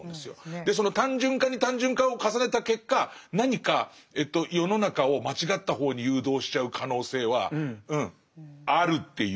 でその単純化に単純化を重ねた結果何かえっと世の中を間違った方に誘導しちゃう可能性はうんあるっていう。